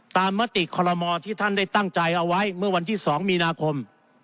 มติคอลโมที่ท่านได้ตั้งใจเอาไว้เมื่อวันที่๒มีนาคม